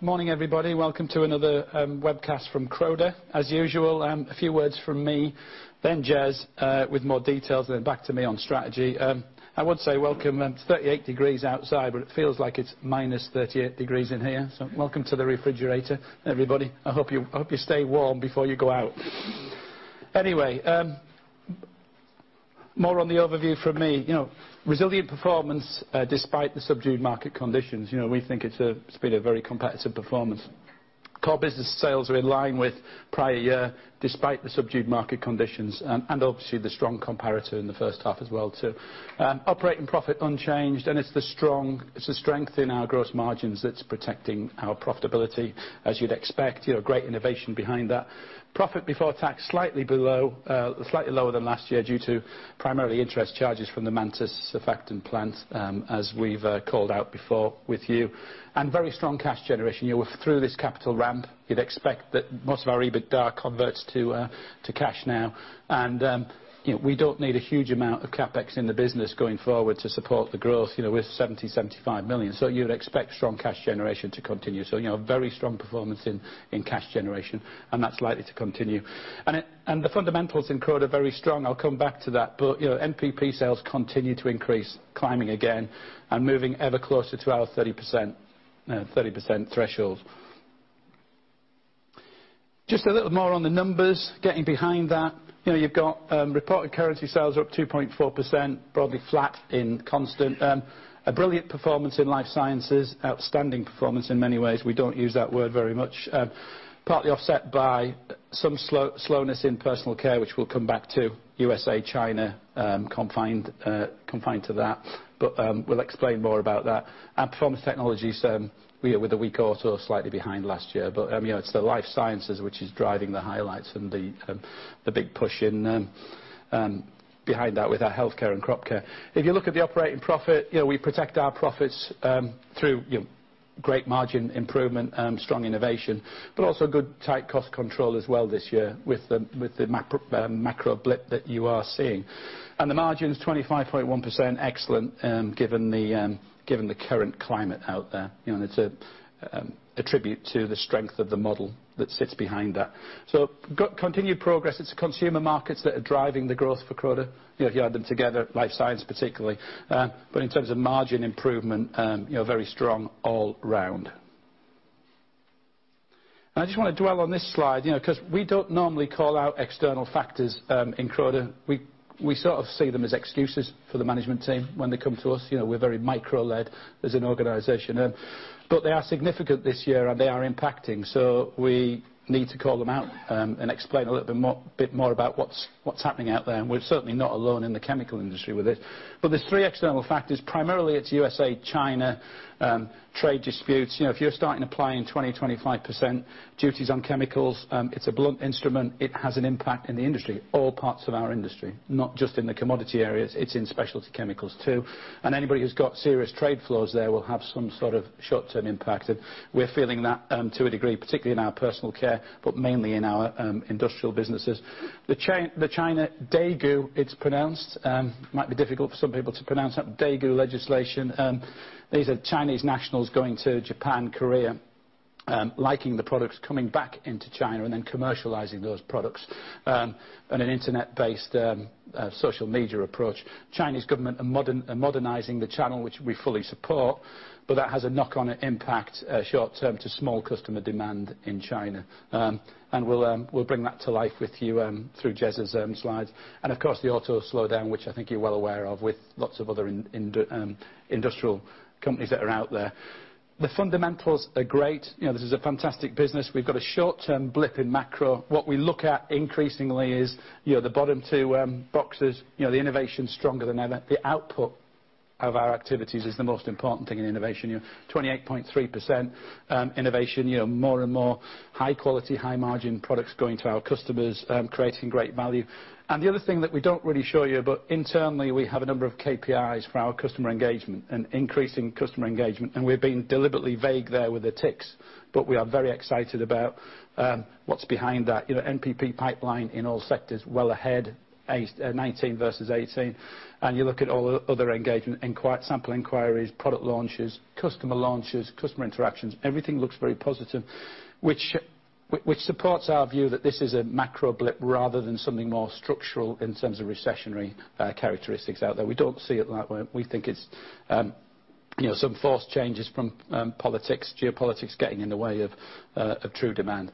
Morning, everybody. Welcome to another webcast from Croda. As usual, a few words from me, then Jez, with more details, back to me on strategy. I would say welcome. It's 38 degrees outside, it feels like it's -38 degrees in here. Welcome to the refrigerator, everybody. I hope you stay warm before you go out. More on the overview from me. You know, resilient performance despite the subdued market conditions. You know, we think it's been a very competitive performance. Core business sales are in line with prior year despite the subdued market conditions obviously the strong comparator in the first half as well too. Operating profit unchanged, it's the strength in our gross margins [it's] protecting our profitability. As you'd expect, you know, great innovation behind that. Profit before tax, slightly below, slightly lower than last year due to primarily interest charges from the [Mantis] surfactant plant, as we've called out before with you. Very strong cash generation. You're through this capital ramp. You'd expect that most of our EBITDA converts to cash now. You know, we don't need a huge amount of CapEx in the business going forward to support the growth, you know, with 70 million-75 million. You would expect strong cash generation to continue. You know, very strong performance in cash generation, and that's likely to continue. And the fundamentals in Croda are very strong. I'll come back to that. You know, NPP sales continue to increase, climbing again and moving ever closer to our 30%, you know, 30% threshold. Just a little more on the numbers, getting behind that. You know, you've got reported currency sales are up 2.4%, broadly flat in constant. A brilliant performance in Life Sciences. Outstanding performance in many ways. We don't use that word very much. Partly offset by some slowness in Personal Care, which we'll come back to. USA, China, confined to that. We'll explain more about that. Our Performance Technologies, with a weak auto, slightly behind last year. You know, it's the Life Sciences which is driving the highlights and the big push in behind that with our Health Care and Crop Care. If you look at the operating profit, you know, we protect our profits through, you know, great margin improvement, strong innovation, but also good tight cost control as well this year with the, with the macro macro blip that you are seeing. The margin's 25.1%. Excellent, given the current climate out there. It's a attribute to the strength of the model that sits behind that. Continued progress. It's the consumer markets that are driving the growth for Croda. You know, you add them together, Life Sciences particularly. In terms of margin improvement, you know, very strong all round. I just want to dwell on this slide, you know, 'cause we don't normally call out external factors in Croda. We sort of see them as excuses for the management team when they come to us. You know, we're very micro-led as an organization. They are significant this year, and they are impacting. We need to call them out and explain a little bit more about what's happening out there. We're certainly not alone in the chemical industry with this. There's three external factors. Primarily, it's USA, China, trade disputes. You know, if you're starting applying 25% duties on chemicals, it's a blunt instrument. It has an impact in the industry, all parts of our industry. Not just in the commodity areas. It's in specialty chemicals too. Anybody who's got serious trade flows there will have some sort of short-term impact, we're feeling that to a degree, particularly in our Personal Care, but mainly in our industrial businesses. The China, Daigou, it's pronounced, might be difficult for some people to pronounce that, Daigou legislation. These are Chinese nationals going to Japan, Korea, liking the products, coming back into China, and then commercializing those products on an Internet-based social media approach. Chinese government are modernizing the channel, which we fully support, but that has a knock-on impact short term to small customer demand in China. We'll bring that to life with you through Jez's slides. Of course, the auto slowdown, which I think you're well aware of with lots of other industrial companies that are out there. The fundamentals are great. You know, this is a fantastic business. We've got a short-term blip in macro. What we look at increasingly is, you know, the bottom two boxes. You know, the innovation's stronger than ever. The output of our activities is the most important thing in innovation. You know, 28.3% innovation. You know, more and more high-quality, high-margin products going to our customers, creating great value. The other thing that we don't really show you, but internally we have a number of KPIs for our customer engagement and increasing customer engagement, and we're being deliberately vague there with the ticks. We are very excited about what's behind that. You know, NPP pipeline in all sectors well ahead, 2019 versus 2018. You look at all other engagement, sample inquiries, product launches, customer launches, customer interactions. Everything looks very positive, which supports our view that this is a macro blip rather than something more structural in terms of recessionary characteristics out there. We don't see it that way. We think it's, you know, some forced changes from politics, geopolitics getting in the way of true demand.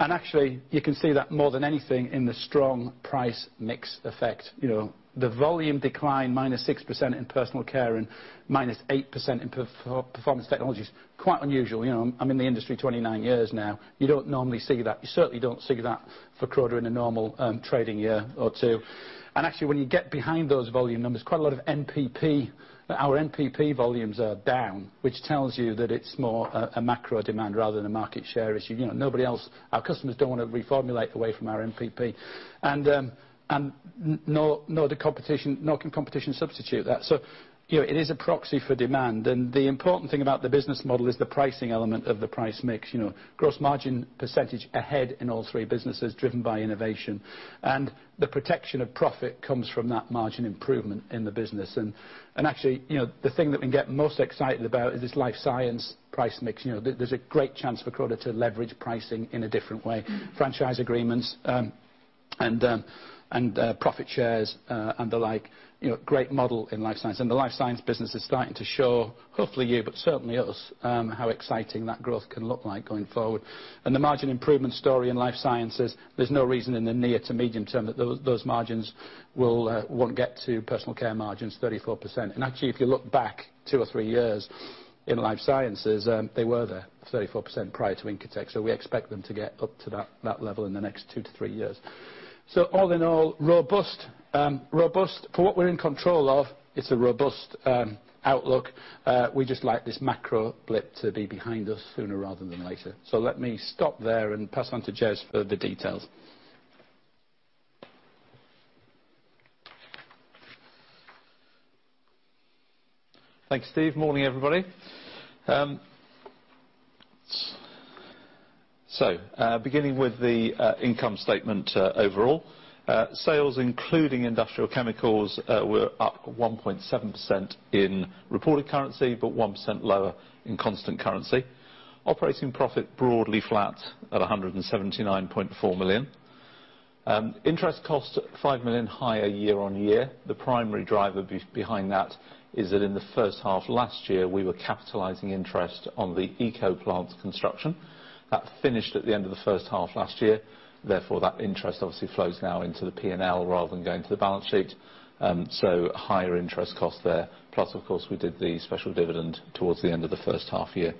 Actually, you can see that more than anything in the strong price mix effect. You know, the volume decline -6% in Personal Care and -8% in Performance Technologies, quite unusual. You know, I'm in the industry 29 years now. You don't normally see that. You certainly don't see that for Croda in a normal trading year or two. Actually, when you get behind those volume numbers, quite a lot of NPP, our NPP volumes are down, which tells you that it's more a macro demand rather than a market share issue. You know, nobody else, our customers don't wanna reformulate away from our NPP. Nor the competition, nor can competition substitute that. You know, it is a proxy for demand. The important thing about the business model is the pricing element of the price mix. You know, gross margin percentage ahead in all three businesses, driven by innovation. The protection of profit comes from that margin improvement in the business. Actually, you know, the thing that we can get most excited about is this Life Sciences price mix. You know, there's a great chance for Croda to leverage pricing in a different way. Franchise agreements, profit shares, and the like, you know, great model in Life Sciences. The Life Sciences business is starting to show, hopefully you, but certainly us, how exciting that growth can look like going forward. The margin improvement story in Life Sciences, there's no reason in the near to medium term that those margins will won't get to Personal Care margins 34%. Actually, if you look back two or three years in Life Sciences, they were there, 34% prior to Incotec. We expect them to get up to that level in the next two to three years. All in all, robust. For what we're in control of, it's a robust outlook. We just like this macro blip to be behind us sooner rather than later. Let me stop there and pass on to Jez for the details. Thanks, Steve. Morning, everybody. Beginning with the income statement overall. Sales including industrial chemicals were up 1.7% in reported currency, but 1% lower in constant currency. Operating profit broadly flat at 179.4 million. Interest cost 5 million higher year-on-year. The primary driver behind that is that in the first half last year, we were capitalizing interest on the ECO plant construction. That finished at the end of the first half last year, therefore, that interest obviously flows now into the P&L rather than going to the balance sheet. Higher interest cost there. Plus, of course, we did the special dividend towards the end of the first half year.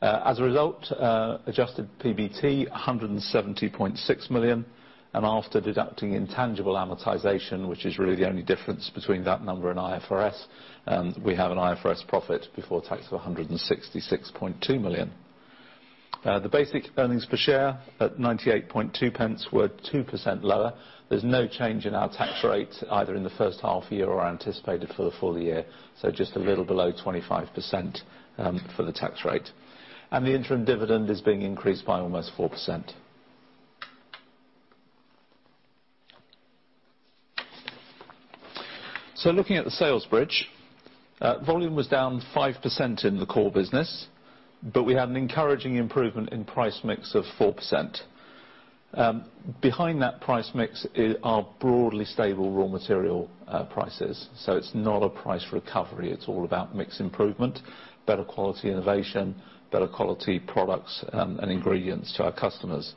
As a result, adjusted PBT 170.6 million. After deducting intangible amortization, which is really the only difference between that number and IFRS, we have an IFRS profit before tax of 166.2 million. The basic earnings per share at 0.982 were 2% lower. There's no change in our tax rate, either in the first half year or anticipated for the full year. Just a little below 25% for the tax rate. The interim dividend is being increased by almost 4%. Looking at the sales bridge, volume was down 5% in the core business, but we had an encouraging improvement in price mix of 4%. Behind that price mix are broadly stable raw material prices. It's not a price recovery, it's all about mix improvement, better quality innovation, better quality products, and ingredients to our customers.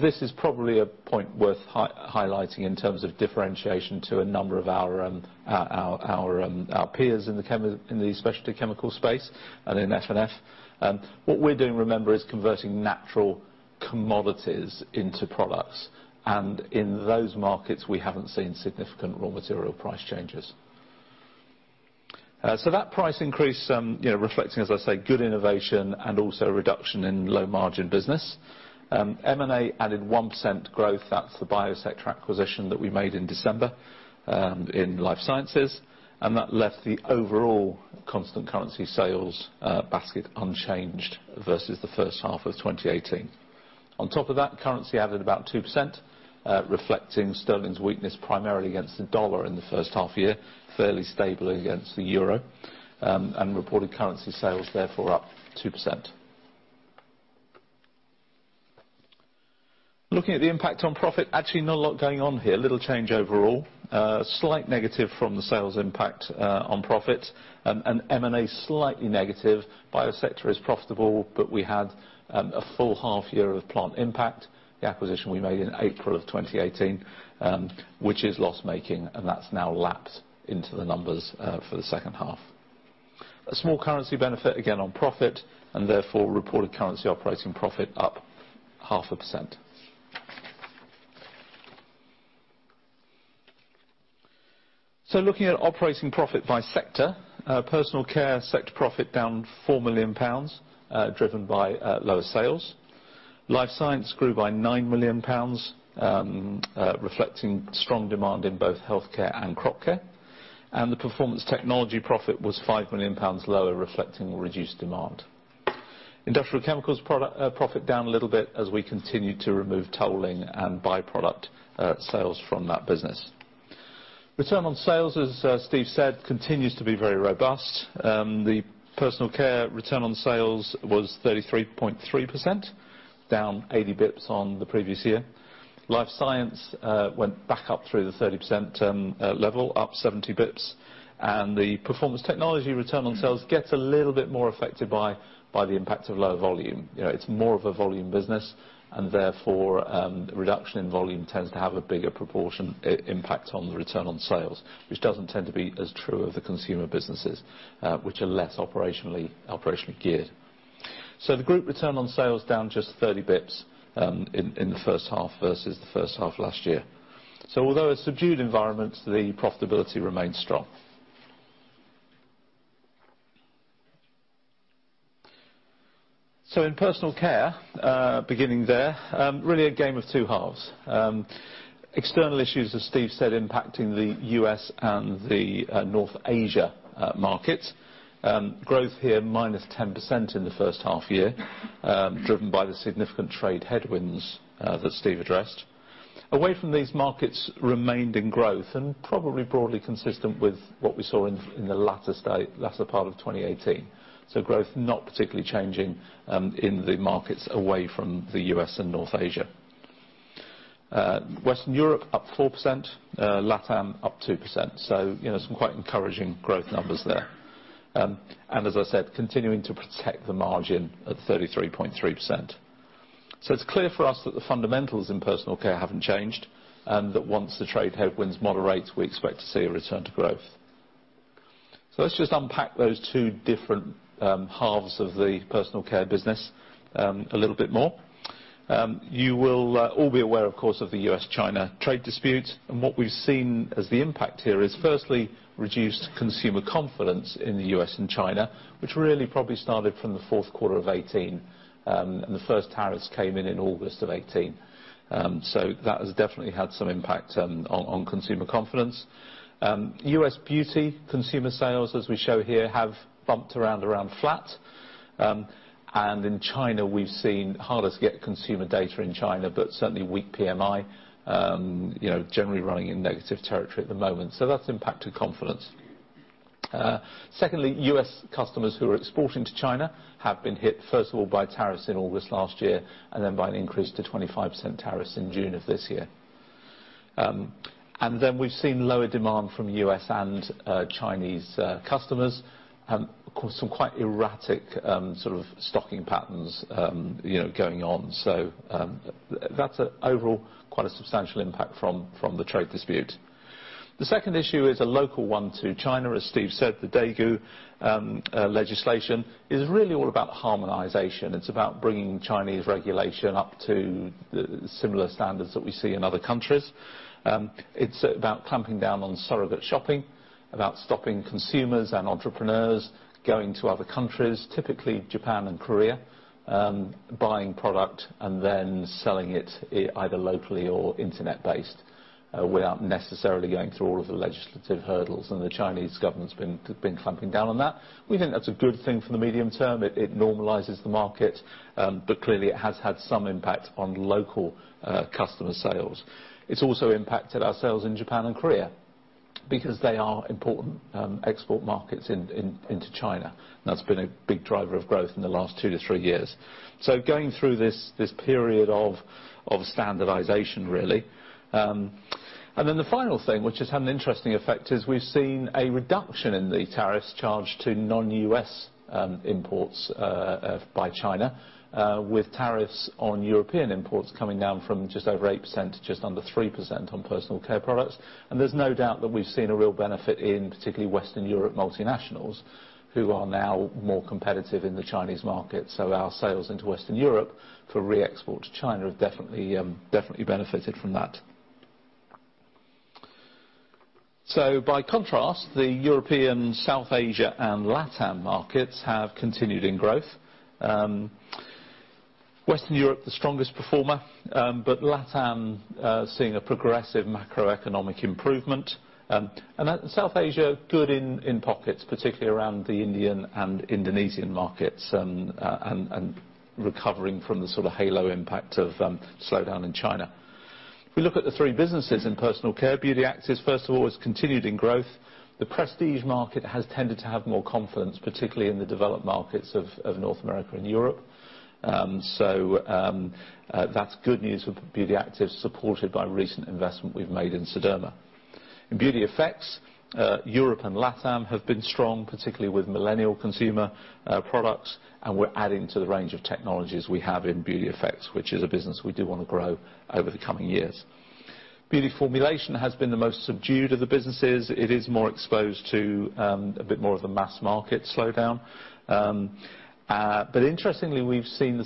This is probably a point worth highlighting in terms of differentiation to a number of our peers in the specialty chemical space and in F&F. What we're doing, remember, is converting natural commodities into products. In those markets, we haven't seen significant raw material price changes. That price increase, you know, reflecting, as I say, good innovation and also reduction in low-margin business. M&A added 1% growth. That's the Biosector acquisition that we made in December in Life Sciences. That left the overall constant currency sales basket unchanged versus the first half of 2018. On top of that, currency added about 2%, reflecting sterling's weakness primarily against the USD in the first half year, fairly stable against the EUR. Reported currency sales therefore up 2%. Looking at the impact on profit, actually not a lot going on here. Little change overall. Slight negative from the sales impact on profit. M&A slightly negative. Biosector is profitable, but we had a full half year of Plant Impact, the acquisition we made in April of 2018, which is loss-making, and that's now lapsed into the numbers for the second half. A small currency benefit again on profit, therefore, reported currency operating profit up 0.5%. Looking at operating profit by sector, Personal Care sector profit down 4 million pounds, driven by lower sales. Life Sciences grew by 9 million pounds, reflecting strong demand in both Health Care and Crop Care. The Performance Technologies profit was 5 million pounds lower, reflecting reduced demand. Industrial chemicals profit down a little bit as we continue to remove tolling and by-product sales from that business. Return on sales, as Steve said, continues to be very robust. The Personal Care return on sales was 33.3%, down 80 basis points on the previous year. Life Sciences went back up through the 30% level, up 70 basis points. The Performance Technologies return on sales gets a little bit more affected by the impact of lower volume. You know, it's more of a volume business and therefore, reduction in volume tends to have a bigger proportion impact on the return on sales, which doesn't tend to be as true of the consumer businesses, which are less operationally geared. The group return on sales down just 30 basis points in the first half versus the first half last year. Although a subdued environment, the profitability remains strong. In Personal Care, beginning there, really a game of two halves. External issues, as Steve said, impacting the U.S. and the North Asia markets. Growth here minus 10% in the first half year, driven by the significant trade headwinds that Steve addressed. Away from these markets remained in growth and probably broadly consistent with what we saw in the latter part of 2018. Growth not particularly changing in the markets away from the U.S. and North Asia. Western Europe up 4%, LatAm up 2%. You know, some quite encouraging growth numbers there. As I said, continuing to protect the margin at 33.3%. It's clear for us that the fundamentals in Personal Care haven't changed, and that once the trade headwinds moderate, we expect to see a return to growth. Let's just unpack those two different halves of the Personal Care business a little bit more. You will all be aware, of course, of the U.S.-China trade dispute, and what we've seen as the impact here is firstly reduced consumer confidence in the U.S. and China, which really probably started from the fourth quarter of 2018, and the first tariffs came in in August of 2018. That has definitely had some impact on consumer confidence. U.S. beauty consumer sales, as we show here, have bumped around flat. In China, we've seen harder to get consumer data in China, but certainly weak PMI, you know, generally running in negative territory at the moment. That's impacted confidence. Secondly, U.S. customers who are exporting to China have been hit, first of all, by tariffs in August last year, and then by an increase to 25% tariffs in June of this year. Then we've seen lower demand from U.S. and Chinese customers, of course, some quite erratic sort of stocking patterns, you know, going on. That's a overall quite a substantial impact from the trade dispute. The second issue is a local one to China. As Steve said, the Daigou legislation is really all about harmonization. It's about bringing Chinese regulation up to similar standards that we see in other countries. It's about clamping down on surrogate shopping, about stopping consumers and entrepreneurs going to other countries, typically Japan and Korea, buying product and then selling it either locally or Internet-based, without necessarily going through all of the legislative hurdles. The Chinese government's been clamping down on that. We think that's a good thing for the medium term. It normalizes the market, clearly it has had some impact on local customer sales. It's also impacted our sales in Japan and Korea because they are important export markets into China. That's been a big driver of growth in the last two to three years. Going through this period of standardization, really. The final thing, which has had an interesting effect, is we've seen a reduction in the tariffs charged to non-U.S. imports by China, with tariffs on European imports coming down from just over 8% to just under 3% on Personal Care products. There's no doubt that we've seen a real benefit in particularly Western Europe multinationals who are now more competitive in the Chinese market. Our sales into Western Europe for re-export to China have definitely benefited from that. By contrast, the European South Asia and LatAm markets have continued in growth. Western Europe the strongest performer, but LatAm seeing a progressive macroeconomic improvement. South Asia, good in pockets, particularly around the Indian and Indonesian markets, and recovering from the sort of halo impact of slowdown in China. If we look at the three businesses in Personal Care, Beauty Actives, first of all, has continued in growth. The prestige market has tended to have more confidence, particularly in the developed markets of North America and Europe. That's good news for Beauty Actives, supported by recent investment we've made in Sederma. In Beauty Effects, Europe and LatAm have been strong, particularly with millennial consumer products, we're adding to the range of technologies we have in Beauty Effects, which is a business we do wanna grow over the coming years. Beauty Formulation has been the most subdued of the businesses. It is more exposed to a bit more of the mass market slowdown. Interestingly, we've seen the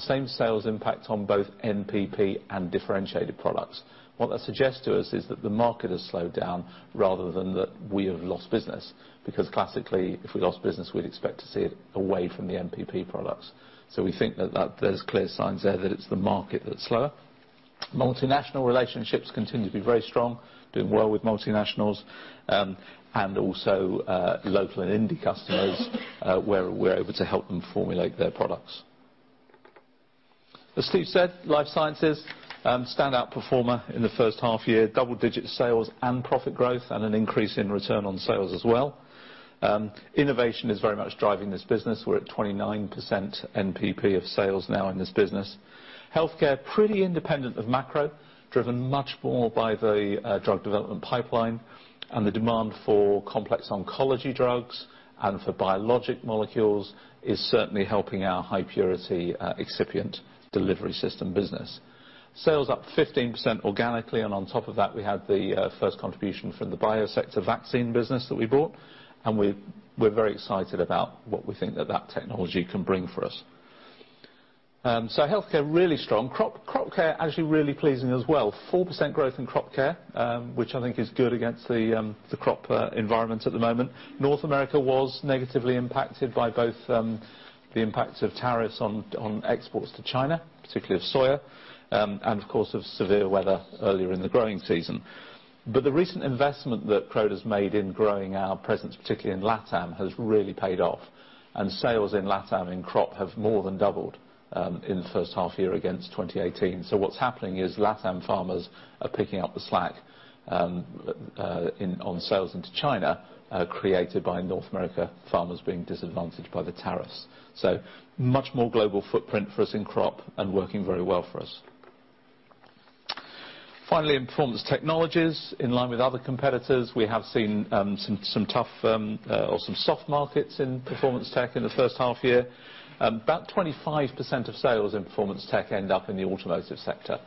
same sales impact on both NPP and differentiated products. What that suggests to us is that the market has slowed down rather than that we have lost business, because classically, if we lost business, we'd expect to see it away from the NPP products. We think that there's clear signs there that it's the market that's slower. Multinational relationships continue to be very strong, doing well with multinationals, and also, local and indie customers, where we're able to help them formulate their products. As Steve said, Life Sciences, standout performer in the first half year, double-digit sales and profit growth, and an increase in return on sales as well. Innovation is very much driving this business. We're at 29% NPP of sales now in this business. Health Care, pretty independent of macro, driven much more by the drug development pipeline, and the demand for complex oncology drugs and for biologic molecules is certainly helping our high-purity excipient delivery system business. Sales up 15% organically, and on top of that, we had the first contribution from the Biosector vaccine business that we bought, and we're very excited about what we think that that technology can bring for us. Healthcare, really strong. Crop Care actually really pleasing as well. 4% growth in Crop Care, which I think is good against the crop environment at the moment. North America was negatively impacted by both the impact of tariffs on exports to China, particularly of soya, and of course, of severe weather earlier in the growing season. The recent investment that Croda has made in growing our presence, particularly in LatAm, has really paid off, and sales in LatAm in Crop have more than doubled in the first half year against 2018. What's happening is LatAm farmers are picking up the slack in on sales into China, created by North America farmers being disadvantaged by the tariffs. Much more global footprint for us in crop and working very well for us. Finally, in Performance Technologies, we have seen some tough or some soft markets in Performance Technologies in the first half year. About 25% of sales in Performance Technologies end up in the automotive sector,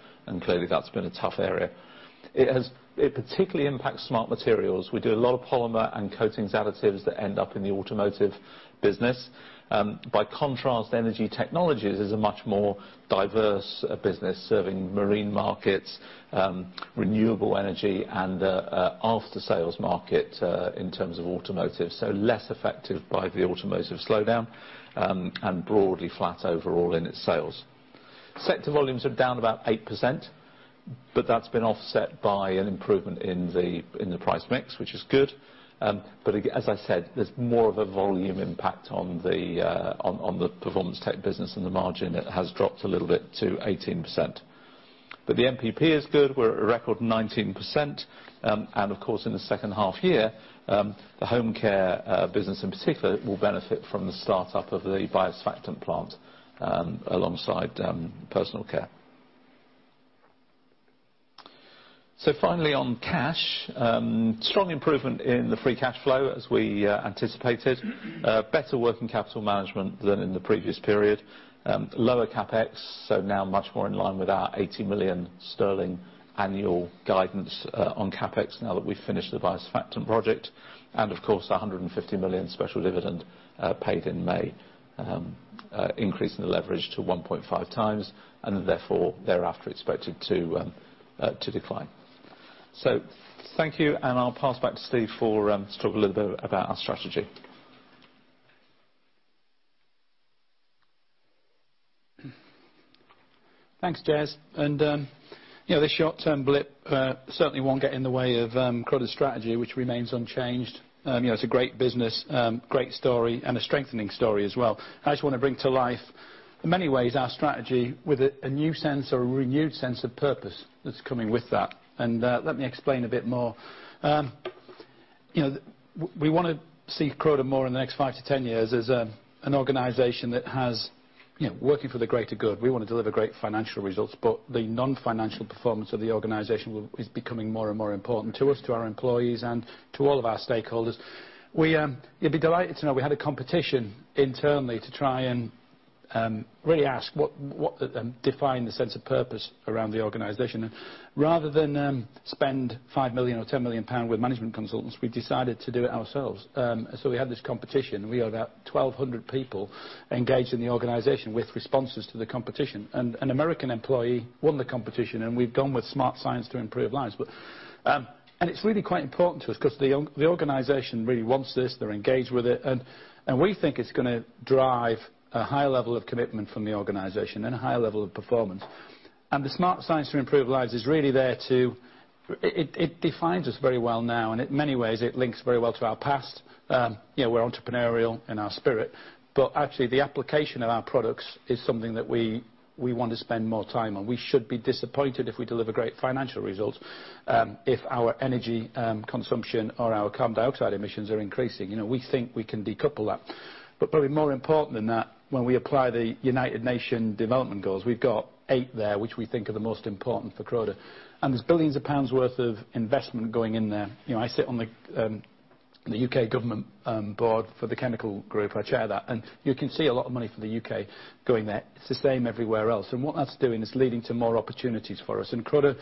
clearly that's been a tough area. It particularly impacts Smart Materials. We do a lot of polymer and coatings additives that end up in the automotive business. By contrast, Energy Technologies is a much more diverse business, serving marine markets, renewable energy, and after-sales market in terms of automotive, less affected by the automotive slowdown and broadly flat overall in its sales. Sector volumes are down about 8%, but that's been offset by an improvement in the price mix, which is good. As I said, there's more of a volume impact on the Performance Technologies business and the margin. It has dropped a little bit to 18%. The NPP is good. We're at a record 19%. Of course, in the second half year, the Home Care business in particular will benefit from the start up of the biosurfactant plant alongside Personal Care. Finally, on cash, strong improvement in the free cash flow as we anticipated. Better working capital management than in the previous period. Lower CapEx, now much more in line with our 80 million sterling annual guidance on CapEx now that we've finished the biosurfactant project. Of course, the 150 million special dividend, paid in May, increasing the leverage to 1.5 times, and therefore, thereafter expected to decline. Thank you, and I'll pass back to Steve for, to talk a little bit about our strategy. Thanks, Jez. You know, this short-term blip, certainly won't get in the way of, Croda's strategy, which remains unchanged. You know, it's a great business, great story, and a strengthening story as well. I just wanna bring to life, in many ways, our strategy with a new sense or a renewed sense of purpose that's coming with that. Let me explain a bit more. You know, we wanna see Croda more in the next 5-10 years as a, an organization that has, you know, working for the greater good. We want to deliver great financial results, but the non-financial performance of the organization is becoming more and more important to us, to our employees, and to all of our stakeholders. We, you'll be delighted to know we had a competition internally to try and really ask what defined the sense of purpose around the organization. Rather than spend 5 million or 10 million pounds with management consultants, we decided to do it ourselves. We had this competition. We had about 1,200 people engaged in the organization with responses to the competition. An American employee won the competition, and we've gone with Smart science to improve lives. It's really quite important to us 'cause the organization really wants this. They're engaged with it. We think it's gonna drive a high level of commitment from the organization and a high level of performance. The Smart science to improve lives™ defines us very well now, and in many ways it links very well to our past. You know, we're entrepreneurial in our spirit. Actually, the application of our products is something that we want to spend more time on. We should be disappointed if we deliver great financial results, if our energy consumption or our carbon dioxide emissions are increasing. You know, we think we can decouple that. Probably more important than that, when we apply the United Nations Sustainable Development Goals, we've got eight there which we think are the most important for Croda. There's billions pounds worth of investment going in there. You know, I sit on the U.K. government board for the chemical group. I chair that. You can see a lot of money for the U.K. going there. It's the same everywhere else. What that's doing is leading to more opportunities for us. Croda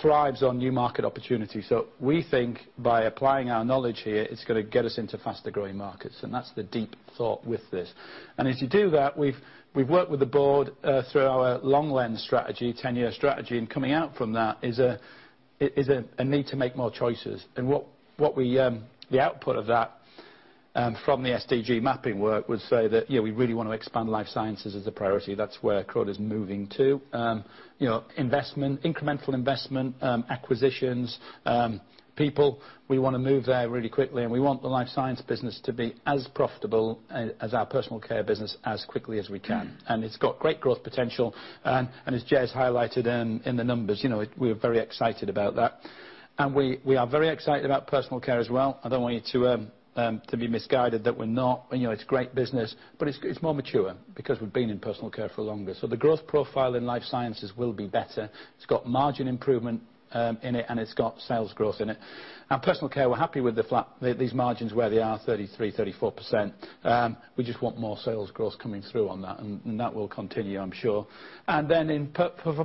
thrives on new market opportunities. We think by applying our knowledge here, it's going to get us into faster growing markets. That's the deep thought with this. As you do that, we've worked with the board through our long-lens strategy, 10-year strategy. Coming out from that is a need to make more choices. What we, the output of that, from the SDG mapping work would say that, you know, we really want to expand Life Sciences as a priority. That's where Croda's moving to. You know, investment, incremental investment, acquisitions, people, we want to move there really quickly. We want the Life Sciences business to be as profitable as our Personal Care business as quickly as we can. It's got great growth potential. As Jez highlighted in the numbers, you know, we're very excited about that. We are very excited about Personal Care as well. I don't want you to be misguided that we're not. You know, it's great business, but it's more mature because we've been in Personal Care for longer. The growth profile in Life Sciences will be better. It's got margin improvement in it, and it's got sales growth in it. Our Personal Care, we're happy with these margins where they are, 33%, 34%. We just want more sales growth coming through on that. That will continue, I'm sure. In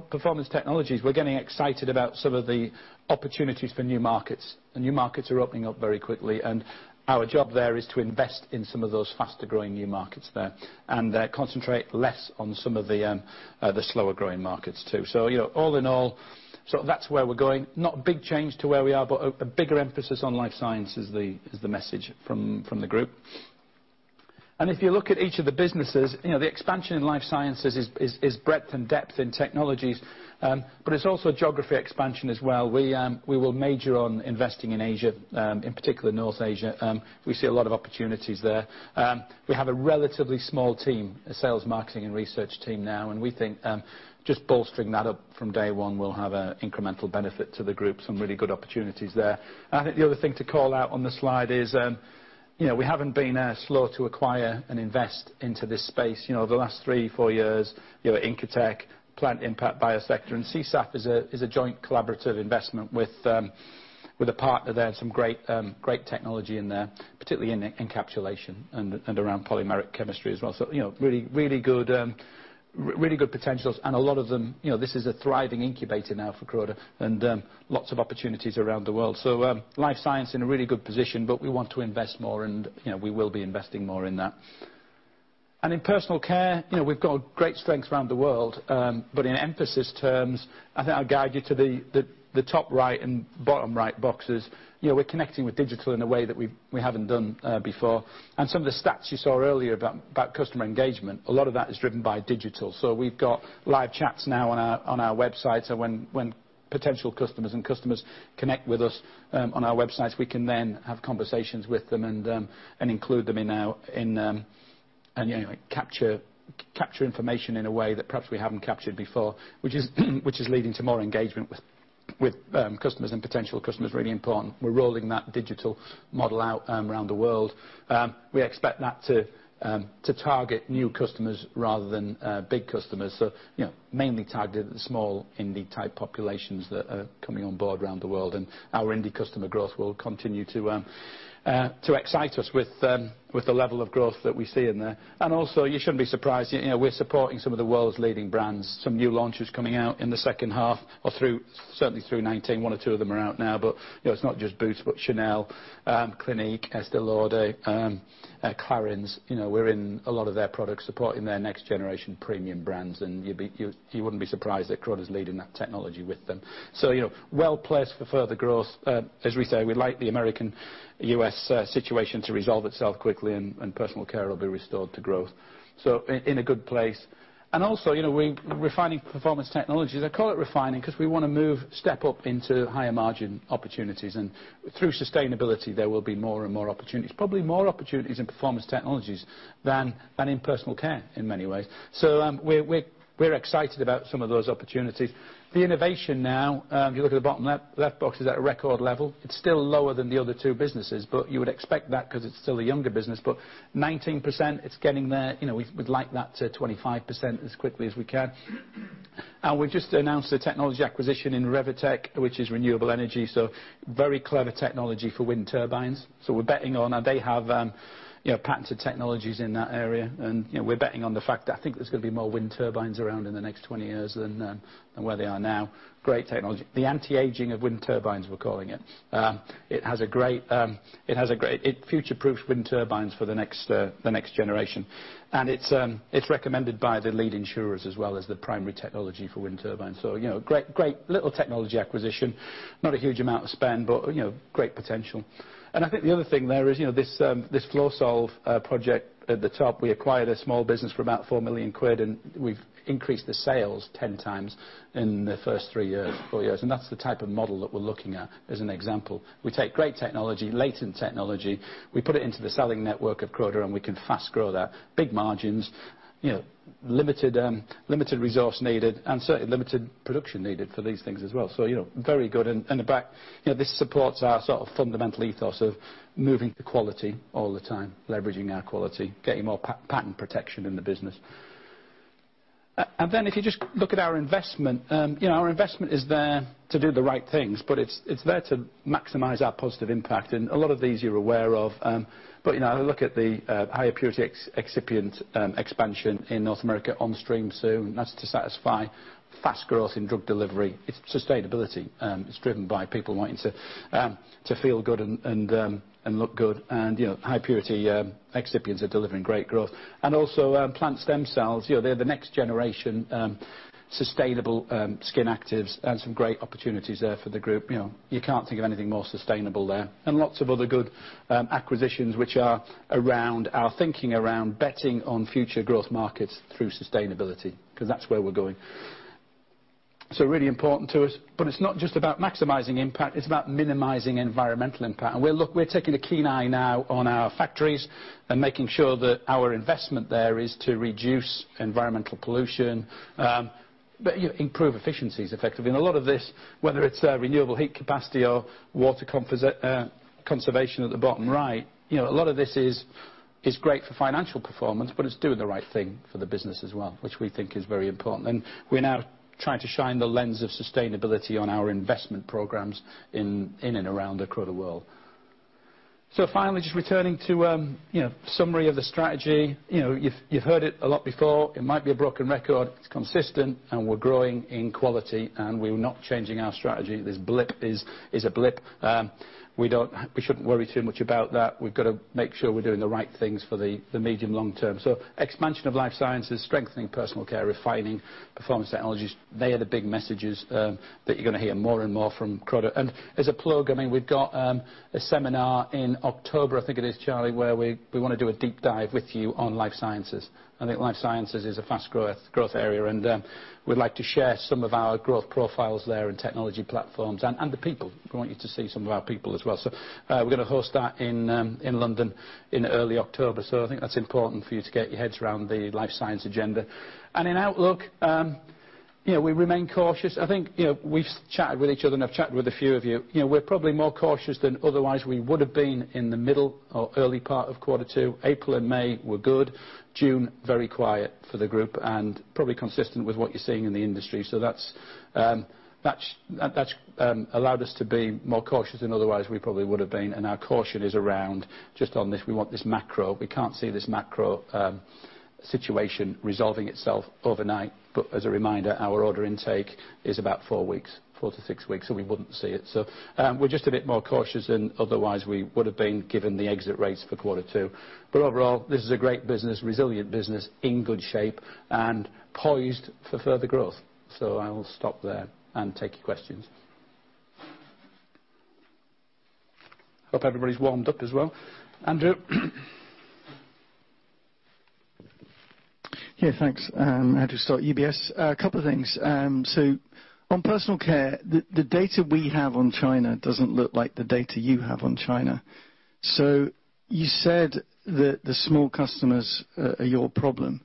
Performance Technologies, we're getting excited about some of the opportunities for new markets. New markets are opening up very quickly, and our job there is to invest in some of those faster growing new markets there and concentrate less on some of the slower growing markets too. All in all, you know, sort of that's where we're going. Not a big change to where we are, but a bigger emphasis on Life Sciences is the message from the group. If you look at each of the businesses, you know, the expansion in Life Sciences is breadth and depth in technologies, but it's also geography expansion as well. We will major on investing in Asia, in particular North Asia. We see a lot of opportunities there. We have a relatively small team, a sales, marketing, and research team now. We think, just bolstering that up from day one will have a incremental benefit to the group, some really good opportunities there. I think the other thing to call out on the slide is, you know, we haven't been slow to acquire and invest into this space. You know, the last three, four years, you know, Incotec, Plant Impact, Biosector, and SiSaf is a joint collaborative investment with a partner there and some great technology in there, particularly in encapsulation and around polymeric chemistry as well. You know, really, really good, really good potentials. A lot of them, you know, this is a thriving incubator now for Croda and lots of opportunities around the world. Life Sciences in a really good position, but we want to invest more and, you know, we will be investing more in that. In Personal Care, you know, we've got great strengths around the world. In emphasis terms, I think I'll guide you to the top right and bottom right boxes. You know, we're connecting with digital in a way that we haven't done before. Some of the stats you saw earlier about customer engagement, a lot of that is driven by digital. We've got live chats now on our website. When potential customers and customers connect with us on our websites, we can then have conversations with them and capture information in a way that perhaps we haven't captured before, which is leading to more engagement with customers and potential customers. Really important. We're rolling that digital model out around the world. We expect that to target new customers rather than big customers. You know, mainly targeted at the small indie-type populations that are coming on board around the world. Our indie customer growth will continue to excite us with the level of growth that we see in there. You shouldn't be surprised, you know, we're supporting some of the world's leading brands. Some new launches coming out in the second half or certainly through 2019. One or two of them are out now. You know, it's not just Boots, Chanel, Clinique, Estée Lauder, Clarins. You know, we're in a lot of their products, supporting their next generation premium brands. You wouldn't be surprised that Croda's leading that technology with them. You know, well-placed for further growth. As we say, we'd like the American, U.S. situation to resolve itself quickly, and Personal Care will be restored to growth. In a good place. Also, you know, we're refining Performance Technologies. I call it refining because we want to step up into higher margin opportunities. Through sustainability, there will be more and more opportunities. Probably more opportunities in Performance Technologies than in Personal Care, in many ways. We're excited about some of those opportunities. The innovation now, if you look at the bottom left box, is at a record level. It's still lower than the other two businesses, but you would expect that because it's still a younger business. 19%, it's getting there. You know, we'd like that to 25% as quickly as we can. We've just announced a technology acquisition in Rewitec, which is renewable energy, very clever technology for wind turbines. We're betting on Now they have, you know, patented technologies in that area, you know, we're betting on the fact that I think there's going to be more wind turbines around in the next 20 years than where they are now. Great technology. The anti-aging of wind turbines, we're calling it. It future-proofs wind turbines for the next generation. It's recommended by the lead insurers as well as the primary technology for wind turbines. You know, great little technology acquisition. Not a huge amount of spend, but, you know, great potential. I think the other thing there is, you know, this FlowSolve project at the top, we acquired a small business for about 4 million quid, and we've increased the sales 10 times in the first three years, four years. That's the type of model that we're looking at as an example. We take great technology, latent technology, we put it into the selling network of Croda, and we can fast grow that. Big margins, you know, limited resource needed, certainly limited production needed for these things as well. You know, very good. In fact, you know, this supports our sort of fundamental ethos of moving to quality all the time, leveraging our quality, getting more patent protection in the business. Then if you just look at our investment, you know, our investment is there to do the right things, but it's there to maximize our positive impact. A lot of these you're aware of, but, you know, have a look at the high purity excipient expansion in North America on stream soon. That's to satisfy fast growth in drug delivery. It's sustainability. It's driven by people wanting to feel good and look good. You know, high purity excipients are delivering great growth. Also, plant stem cells, you know, they're the next generation sustainable skin actives, and some great opportunities there for the group. You know, you can't think of anything more sustainable there. Lots of other good acquisitions which are around our thinking around betting on future growth markets through sustainability, because that's where we're going. Really important to us, but it's not just about maximizing impact, it's about minimizing environmental impact. We're taking a keen eye now on our factories and making sure that our investment there is to reduce environmental pollution, but, you know, improve efficiencies effectively. A lot of this, whether it's renewable heat capacity or water conservation at the bottom right, you know, a lot of this is great for financial performance, but it's doing the right thing for the business as well, which we think is very important. We're now trying to shine the lens of sustainability on our investment programs in and around the Croda world. Finally, just returning to, you know, summary of the strategy. You know, you've heard it a lot before. It might be a broken record. It's consistent, we're growing in quality, we're not changing our strategy. This blip is a blip. We shouldn't worry too much about that. We've got to make sure we're doing the right things for the medium long term. Expansion of Life Sciences, strengthening Personal Care, refining Performance Technologies. They are the big messages that you're gonna hear more and more from Croda. As a plug, I mean, we've got a seminar in October, I think it is, Charlie, where we wanna do a deep dive with you on Life Sciences. I think Life Sciences is a fast growth area, and we'd like to share some of our growth profiles there and technology platforms and the people. We want you to see some of our people as well. We're gonna host that in London in early October. I think that's important for you to get your heads around the Life Science agenda. In outlook, you know, we remain cautious. I think, you know, we've chatted with each other and I've chatted with a few of you. You know, we're probably more cautious than otherwise we would have been in the middle or early part of quarter two. April and May were good. June, very quiet for the group and probably consistent with what you're seeing in the industry. That's allowed us to be more cautious than otherwise we probably would have been, and our caution is around just on this. We want this macro. We can't see this macro situation resolving itself overnight. As a reminder, our order intake is about four weeks, four to six weeks, so we wouldn't see it. We're just a bit more cautious than otherwise we would have been, given the exit rates for quarter two. Overall, this is a great business, resilient business, in good shape, and poised for further growth. I will stop there and take your questions. Hope everybody's warmed up as well. Andrew? Yeah, thanks. Andrew Stott, UBS. A couple of things. On Personal Care, the data we have on China doesn't look like the data you have on China. You said that the small customers are your problem.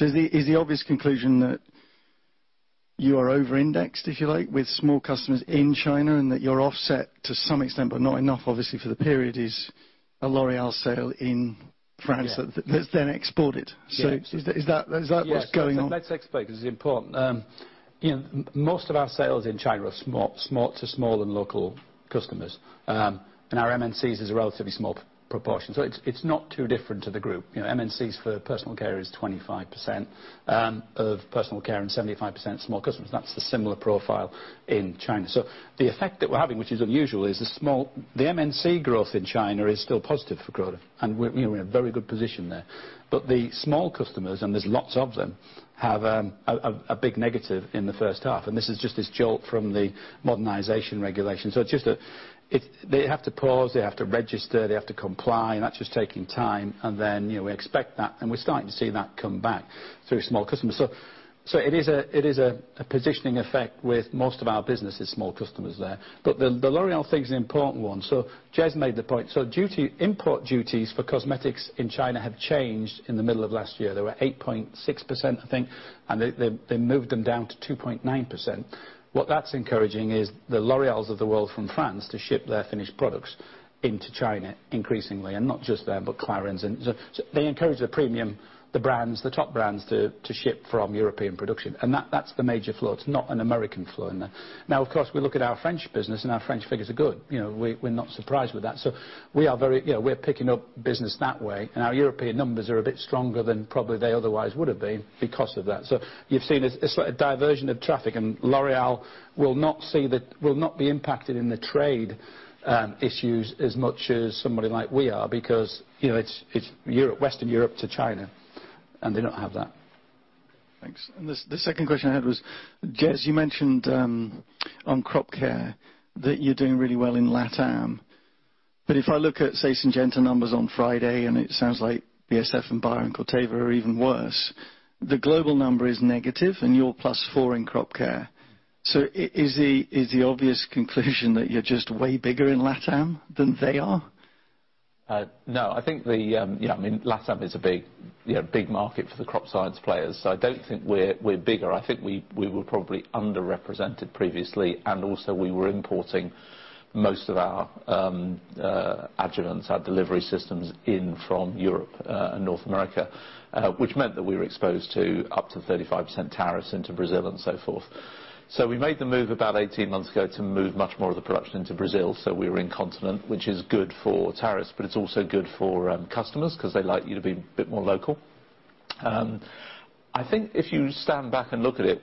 Is the obvious conclusion that you are over-indexed, if you like, with small customers in China and that your offset to some extent, but not enough obviously for the period, is a L'Oréal sale in France? Yeah That's then exported? Yeah. Is that what's going on? Yeah. Let's explain because it's important. You know, most of our sales in China are small to small and local customers. Our MNCs is a relatively small proportion. It's not too different to the group. You know, MNCs for Personal Care is 25% of Personal Care and 75% small customers. That's the similar profile in China. The effect that we're having, which is unusual, is the MNC growth in China is still positive for growth. We're, you know, in a very good position there. The small customers, and there's lots of them, have a big negative in the first half, this is just this jolt from the modernization regulation. It's just they have to pause, they have to register, they have to comply, and that's just taking time. You know, we expect that, and we're starting to see that come back through small customers. It is a positioning effect with most of our business is small customers there. The L'Oréal thing's an important one. Jez made the point. Duty, import duties for cosmetics in China have changed in the middle of last year. They were 8.6%, I think, and they moved them down to 2.9%. What that's encouraging is the L'Oréals of the world from France to ship their finished products into China increasingly, and not just them, but Clarins. They encourage the premium brands, the top brands to ship from European production. That's the major flow. It's not an American flow in there. Of course, we look at our French business, and our French figures are good. You know, we're not surprised with that. We are very. You know, we're picking up business that way, and our European numbers are a bit stronger than probably they otherwise would have been because of that. You've seen a slight diversion of traffic, and L'Oréal will not be impacted in the trade issues as much as somebody like we are because, you know, it's Europe, Western Europe to China, and they don't have that. Thanks. The second question I had was, Jez, you mentioned on Crop Care that you're doing really well in LatAm. If I look at, say, Syngenta numbers on Friday, and it sounds like BASF and Bayer and Corteva are even worse, the global number is negative, and you're plus four in Crop Care. Is the obvious conclusion that you're just way bigger in LatAm than they are? No. I think the, I mean, LatAm is a big, you know, big market for the crop science players. I don't think we're bigger. I think we were probably underrepresented previously, and also we were importing most of our adjuvants, our delivery systems in from Europe and North America, which meant that we were exposed to up to 35% tariffs into Brazil and so forth. We made the move about 18 months ago to move much more of the production into Brazil so we were in continent, which is good for tariffs, but it's also good for customers because they like you to be a bit more local. I think if you stand back and look at it,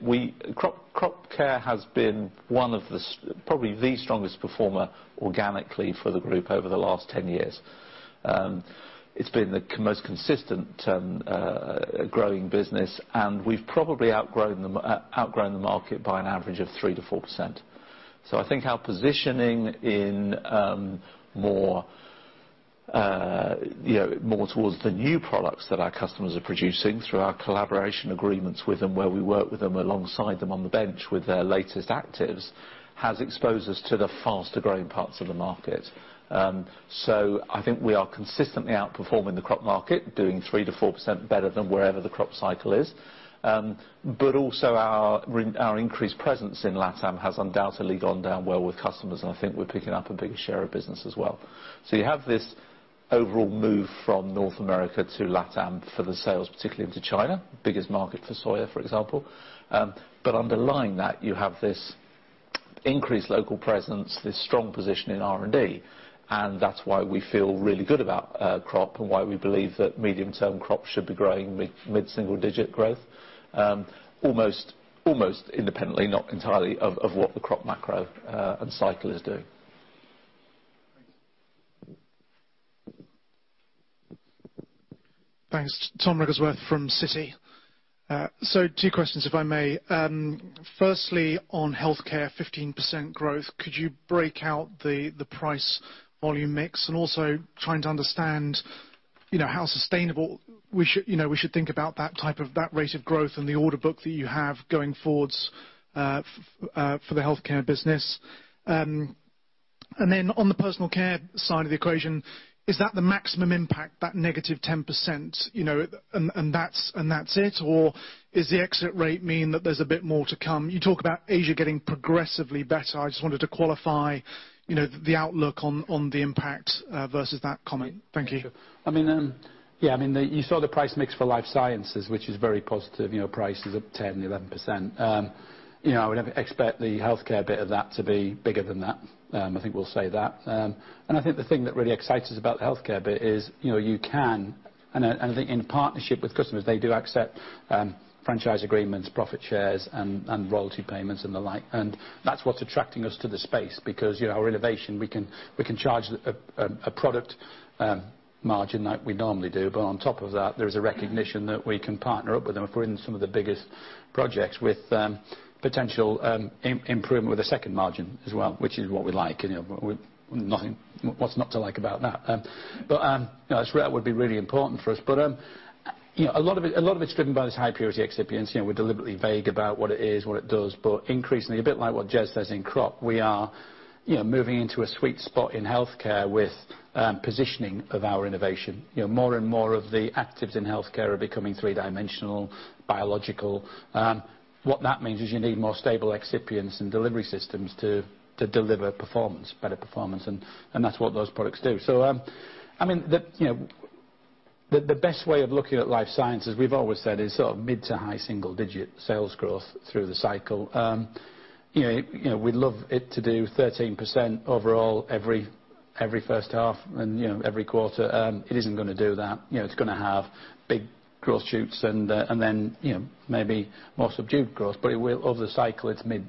Crop Care has been one of the probably the strongest performer organically for the group over the last 10 years. It's been the most consistent growing business, and we've probably outgrown the market by an average of 3%-4%. I think our positioning in, more, you know, more towards the new products that our customers are producing through our collaboration agreements with them, where we work with them alongside them on the bench with their latest actives, has exposed us to the faster-growing parts of the market. I think we are consistently outperforming the crop market, doing 3%-4% better than wherever the crop cycle is. Also our increased presence in LatAm has undoubtedly gone down well with customers, and I think we're picking up a bigger share of business as well. You have this overall move from North America to LatAm for the sales, particularly into China, biggest market for soya, for example. Underlying that, you have this increased local presence, this strong position in R&D, and that's why we feel really good about Crop and why we believe that medium-term Crop should be growing mid-single-digit growth, almost independently, not entirely, of what the Crop macro and cycle is doing. Thanks. Thanks. Tom Wrigglesworth from Citi. Two questions, if I may. Firstly, on Health Care, 15% growth, could you break out the price volume mix? Also trying to understand, you know, how sustainable we should, you know, we should think about that rate of growth and the order book that you have going forwards for the Health Care business. Then on the Personal Care side of the equation, is that the maximum impact, that negative 10%, you know, and that's it? Does the exit rate mean that there's a bit more to come? You talk about Asia getting progressively better. I just wanted to qualify, you know, the outlook on the impact versus that comment. Thank you. Sure. I mean, yeah, I mean, the You saw the price mix for Life Sciences, which is very positive. You know, price is up 10%-11%. You know, I would expect the Health Care bit of that to be bigger than that. I think we'll say that. I think the thing that really excites us about the Health Care bit is, you know, you can And, and I think in partnership with customers, they do accept, franchise agreements, profit shares, and royalty payments and the like. That's what's attracting us to the space because, you know, our innovation, we can charge a product margin like we normally do. On top of that, there is a recognition that we can partner up with them if we're in some of the biggest projects with potential improvement with the second margin as well, which is what we like. You know, what's not to like about that? You know, what would be really important for us. You know, a lot of it's driven by this high purity excipient. You know, we're deliberately vague about what it is, what it does. Increasingly, a bit like what Jez says in Crop, we are, you know, moving into a sweet spot in Health Care with positioning of our innovation. You know, more and more of the actives in Health Care are becoming three-dimensional, biological. What that means is you need more stable excipients and delivery systems to deliver performance, better performance, and that's what those products do. I mean, you know, the best way of looking at Life Sciences, we've always said, is sort of mid to high single digit sales growth through the cycle. You know, we'd love it to do 13% overall every first half and, you know, every quarter. It isn't gonna do that. You know, it's gonna have big growth shoots and then, you know, maybe more subdued growth. It will, over the cycle, it's mid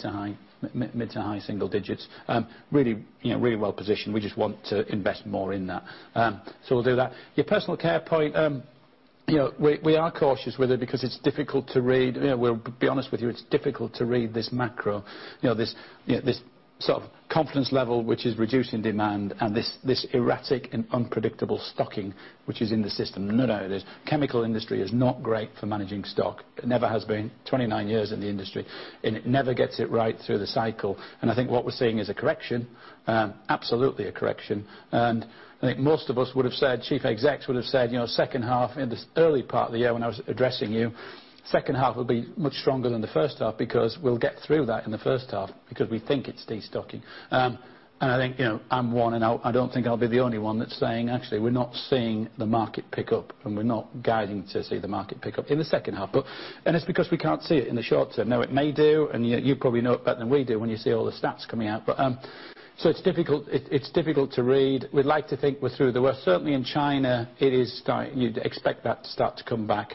to high single digits. You know, really well positioned. We just want to invest more in that. We'll do that. Your Personal Care point, you know, we are cautious with it because it's difficult to read. You know, we'll be honest with you, it's difficult to read this macro. You know, this, you know, this sort of confidence level which is reducing demand and this erratic and unpredictable stocking which is in the system. No doubt, this chemical industry is not great for managing stock. It never has been. 29 years in the industry, it never gets it right through the cycle. I think what we're seeing is a correction, absolutely a correction. I think most of us would have said, chief execs would have said, you know, second half in the early part of the year when I was addressing you, second half will be much stronger than the first half because we'll get through that in the first half because we think it's destocking. I think, you know, I'm one, and I don't think I'll be the only one that's saying, actually, we're not seeing the market pick up, and we're not guiding to see the market pick up in the second half. It's because we can't see it in the short term. Now, it may do, and you probably know it better than we do when you see all the stats coming out. It's difficult to read. We'd like to think we're through the worst. Certainly in China, it is starting. You'd expect that to start to come back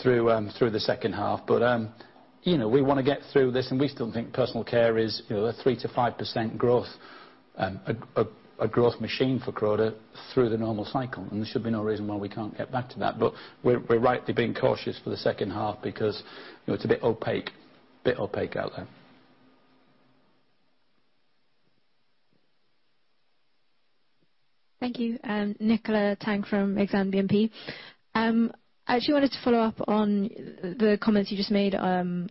through the second half. You know, we wanna get through this, and we still think Personal Care is, you know, a 3%-5% growth, a growth machine for Croda through the normal cycle. There should be no reason why we can't get back to that. We're rightly being cautious for the second half because, you know, it's a bit opaque out there. Thank you. Nicola Tang from Exane BNP. I actually wanted to follow up on the comments you just made on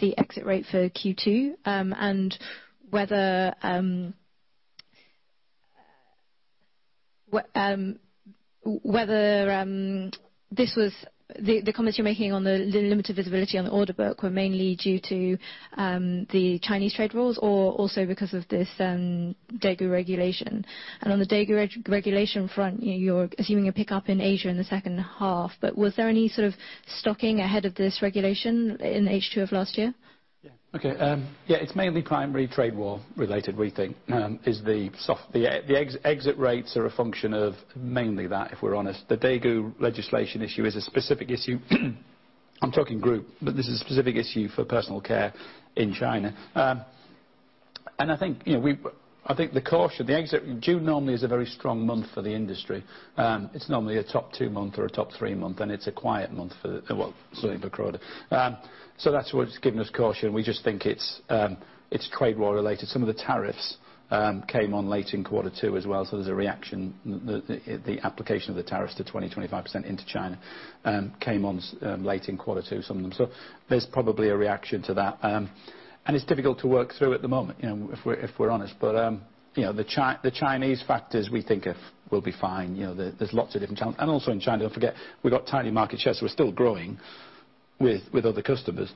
the exit rate for Q2, and whether this was the comments you were making on the limited visibility on the order book were mainly due to the Chinese trade rules or also because of this Daigou regulation. On the Daigou regulation front, you know, you're assuming a pickup in Asia in the second half, but was there any sort of stocking ahead of this regulation in H2 of last year? Okay. Yeah, it's mainly primary trade war related, we think, is the soft. The exit rates are a function of mainly that, if we're honest. The Daigou legislation issue is a specific issue. I'm talking group, this is a specific issue for Personal Care in China. I think, you know, I think the caution, the exit, June normally is a very strong month for the industry. It's normally a top two months or a top three months, it's a quiet month for certainly for Croda. That's what's giving us caution. We just think it's trade war related. Some of the tariffs came on late in Q2 as well, there's a reaction. The application of the tariffs to 20%, 25% into China came on late in quarter two, some of them. There's probably a reaction to that. It's difficult to work through at the moment, you know, if we're honest. You know, the Chinese factors we think will be fine. You know, there's lots of different challenge. Also in China, don't forget, we've got tiny market shares, so we're still growing with other customers.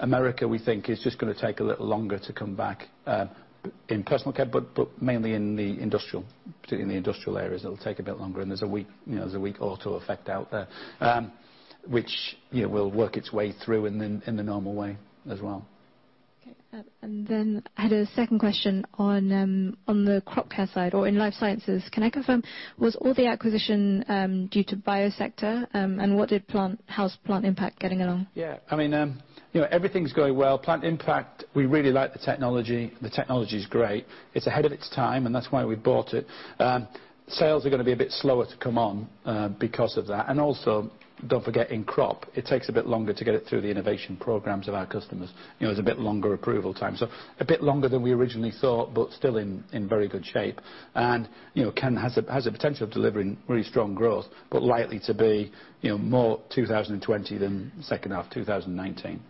America, we think, is just going to take a little longer to come back in Personal Care, but mainly in the industrial, particularly in the industrial areas, it'll take a bit longer. There's a weak, you know, there's a weak auto effect out there, which, you know, will work its way through in the normal way as well. Okay. Then I had a second question on the Crop Care side or in Life Sciences. Can I confirm, was all the acquisition, due to Biosector? How's Plant Impact getting along? Yeah. I mean, you know, everything's going well. Plant Impact, we really like the technology. The technology is great. It's ahead of its time, and that's why we bought it. Sales are gonna be a bit slower to come on because of that. Also, don't forget, in Crop, it takes a bit longer to get it through the innovation programs of our customers. You know, there's a bit longer approval time. A bit longer than we originally thought, but still in very good shape. You know, has a potential of delivering really strong growth, but likely to be, you know, more 2020 than second half 2019.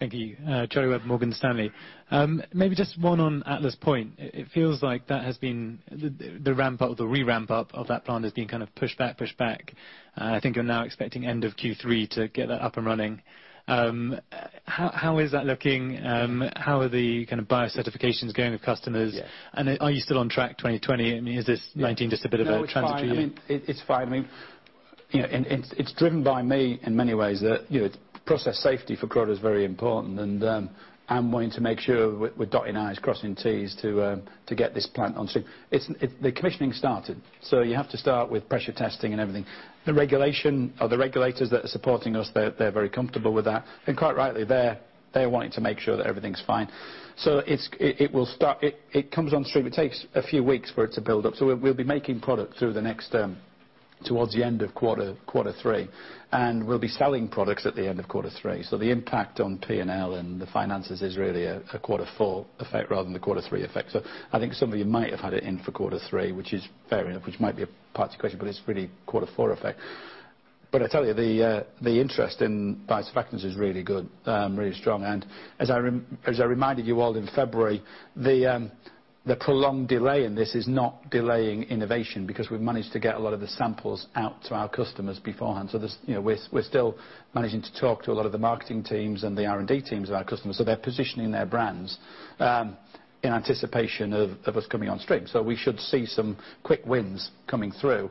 Thank you. Charlie Webb, Morgan Stanley. Maybe just one on Atlas Point. It feels like that has been the ramp up, the re-ramp up of that plant is being kind of pushed back. I think you are now expecting end of Q3 to get that up and running. How is that looking? How are the kind of buyer certifications going with customers? Yeah. Are you still on track 2020? Yeah 2019 just a bit of a transition year? It's fine. I mean, it's fine. I mean, you know, it's driven by me in many ways that, you know, process safety for Croda is very important, and I'm wanting to make sure we're dotting I's, crossing T's to get this plant on stream. The commissioning's started. You have to start with pressure testing and everything. The regulation or the regulators that are supporting us, they're very comfortable with that. Quite rightly, they're wanting to make sure that everything's fine. It will start. It comes on stream. It takes a few weeks for it to build up. We'll be making product through the next towards the end of quarter three. We'll be selling products at the end of quarter three. The impact on P&L and the finances is really a quarter four effect rather than the quarter three effect. I think some of you might have had it in for quarter three, which is fair enough, which might be a part of your question, but it's really quarter four effect. I tell you, the interest in biosurfactants is really good, really strong. As I reminded you all in February, the prolonged delay in this is not delaying innovation because we've managed to get a lot of the samples out to our customers beforehand. There's, you know, we're still managing to talk to a lot of the marketing teams and the R&D teams of our customers, so they're positioning their brands in anticipation of us coming on stream. We should see some quick wins coming through.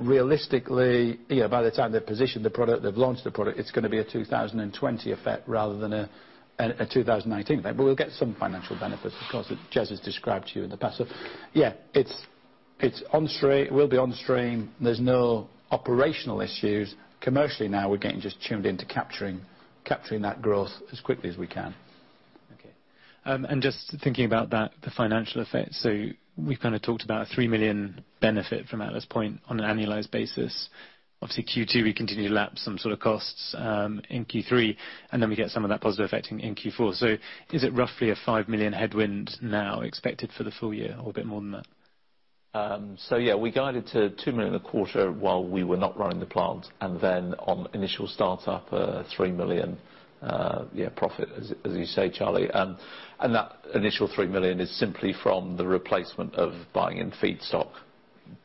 Realistically, you know, by the time they've positioned the product, they've launched the product, it's gonna be a 2020 effect rather than a 2019 effect. We'll get some financial benefits, of course, that Jez has described to you in the past. It will be on stream. There's no operational issues. Commercially now, we're getting just tuned into capturing that growth as quickly as we can. Okay. Just thinking about that, the financial effect, we've kind of talked about a 3 million benefit from Atlas Point on an annualized basis. Obviously, Q2, we continue to lap some sort of costs in Q3, and then we get some of that positive effect in Q4. Is it roughly a 5 million headwind now expected for the full year or a bit more than that? Yeah, we guided to 2 million a quarter while we were not running the plant, and then on initial startup, 3 million profit, as you say, Charlie. That initial 3 million is simply from the replacement of buying in feedstock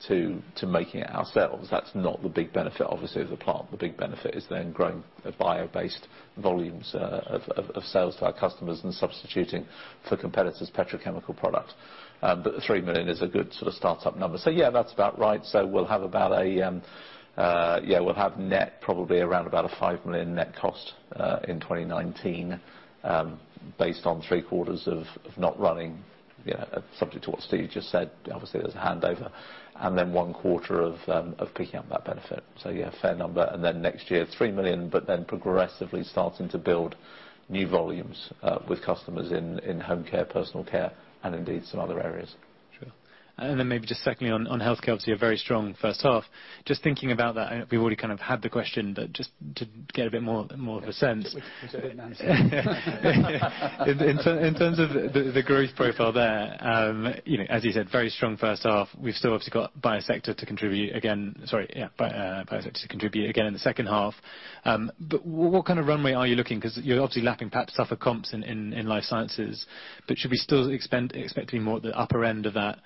to making it ourselves. That's not the big benefit, obviously, of the plant. The big benefit is then growing the bio-based volumes of sales to our customers and substituting for competitors' petrochemical product. The 3 million is a good sort of start-up number. Yeah, that's about right. We'll have about a, we'll have net probably around about a 5 million net cost in 2019, based on three quarters of not running, you know, subject to what Steve just said. Obviously, there's a handover, and then one quarter of picking up that benefit. Yeah, fair number. Next year, 3 million, progressively starting to build new volumes with customers in Home Care, Personal Care, and indeed some other areas. Sure. Maybe just secondly on Health Care, obviously, a very strong first half. Just thinking about that, I know we've already kind of had the question, but just to get a bit more, more of a sense. Which I didn't answer. In terms of the growth profile there, you know, as you said, very strong first half. We've still obviously got Biosector to contribute again Sorry. Yeah, Biosector to contribute again in the second half. What kind of runway are you looking? 'Cause you're obviously lapping perhaps tougher comps in Life Sciences, but should we still expecting more at the upper end of that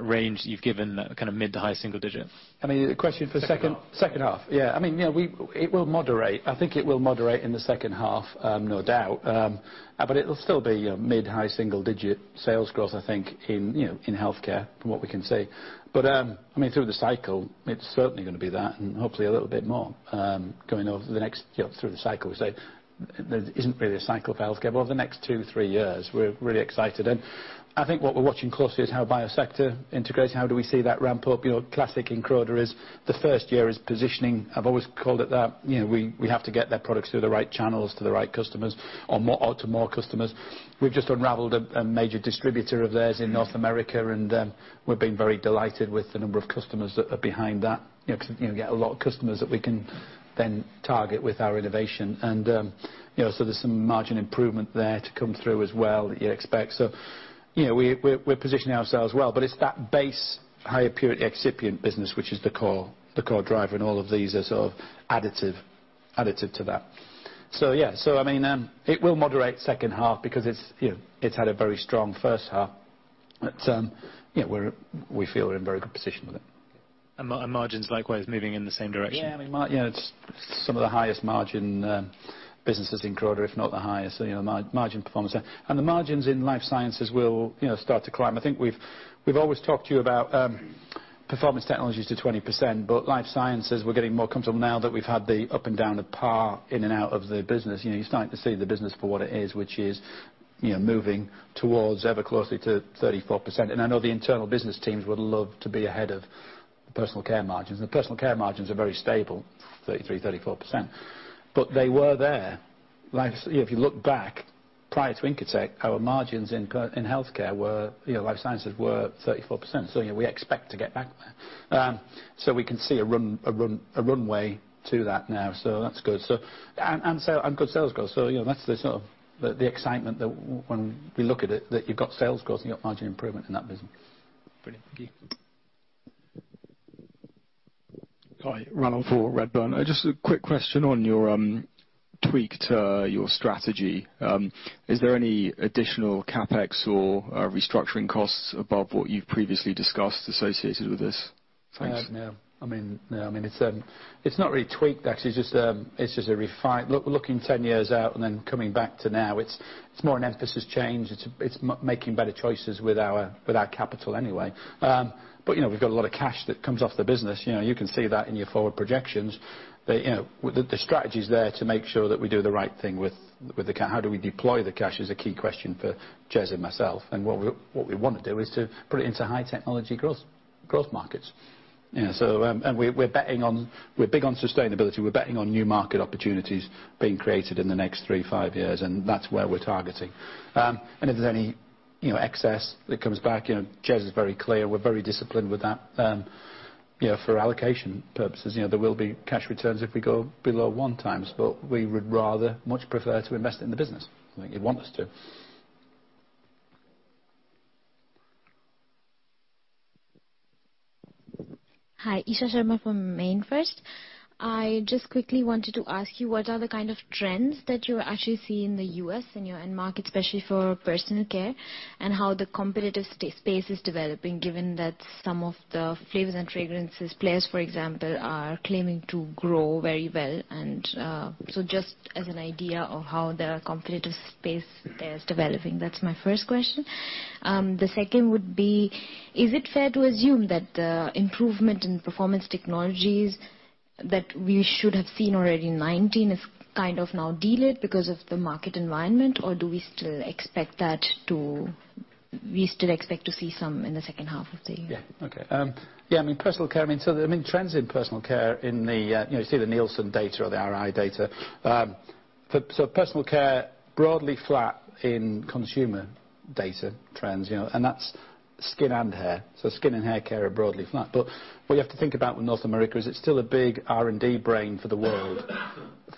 range that you've given, that kind of mid to high single digit? I mean, the question for second half. I mean, it will moderate. I think it will moderate in the second half, no doubt. But it will still be, you know, mid-high single-digit sales growth, I think, in, you know, in Health Care from what we can see. But, I mean, through the cycle, it is certainly going to be that and hopefully a little bit more, going over the next, you know, through the cycle. There is not really a cycle for Health Care, but over the next two, three years, we are really excited. I think what we are watching closely is how Biosector integrates. How do we see that ramp up? You know, classic in Croda is the first year is positioning. I have always called it that. You know, we have to get their products through the right channels to the right customers or to more customers. We've just unraveled a major distributor of theirs in North America, and we're being very delighted with the number of customers that are behind that. You know, 'cause you know, you get a lot of customers that we can then target with our innovation. You know, there's some margin improvement there to come through as well that you'd expect. You know, we're positioning ourselves well. It's that base high purity excipient business which is the core driver, and all of these are sort of additive to that. Yeah, I mean, it will moderate second half because it's, you know, it's had a very strong first half. You know, we feel we're in very good position with it. margin's likewise moving in the same direction? Yeah, I mean, you know, it's some of the highest margin businesses in Croda, if not the highest, you know, margin performance. The margins in Life Sciences will, you know, start to climb. I think we've always talked to you about Performance Technologies to 20%, Life Sciences, we're getting more comfortable now that we've had the up and down, the par in and out of the business. You know, you're starting to see the business for what it is, which is, you know, moving towards ever closely to 34%. I know the internal business teams would love to be ahead of Personal Care margins. The Personal Care margins are very stable, 33%, 34%. They were there. You know, if you look back, prior to Incotec, our margins in Health Care were, you know, Life Sciences were 34%. You know, we expect to get back there. We can see a runway to that now, so that's good, and good sales growth. You know, that's the sort of the excitement that when we look at it, that you've got sales growth and you got margin improvement in that business. Brilliant. Thank you. Hi, Ranulf for Redburn. Just a quick question on your tweak to your strategy. Is there any additional CapEx or restructuring costs above what you've previously discussed associated with this? Thanks. No. I mean, no. I mean, it's not really tweaked, actually. It's just, it's just looking 10 years out and then coming back to now, it's more an emphasis change. It's, it's making better choices with our, with our capital anyway. You know, we've got a lot of cash that comes off the business. You know, you can see that in your forward projections. You know, the strategy's there to make sure that we do the right thing with, how do we deploy the cash is a key question for Jez and myself. What we want to do is to put it into high technology growth markets. You know, we're big on sustainability. We're betting on new market opportunities being created in the next three to five years, and that's where we're targeting. If there's any, you know, excess that comes back, you know, Jez is very clear. We're very disciplined with that. You know, for allocation purposes, you know, there will be cash returns if we go below one times, but we would rather much prefer to invest in the business, like you'd want us to. Hi. Isha Sharma from MainFirst. I just quickly wanted to ask you what are the kind of trends that you actually see in the U.S. in your end market, especially for Personal Care, and how the competitive space is developing, given that some of the flavors and fragrances players, for example, are claiming to grow very well, and, just as an idea of how the competitive space there is developing. That's my first question. The second would be, is it fair to assume that the improvement in Performance Technologies that we should have seen already in 2019 is kind of now delayed because of the market environment, or do we still expect that we still expect to see some in the second half of the year? Yeah. Okay. I mean, Personal Care, I mean, trends in Personal Care, I mean, you know, you see the Nielsen data or the IRI data. Personal Care, broadly flat in consumer data trends, you know, and that's skin and hair. Skin and hair care are broadly flat. What you have to think about with North America is it's still a big R&D brain for the world